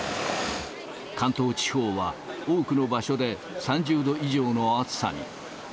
関東地方は、多くの場所で３０度以上の暑さに。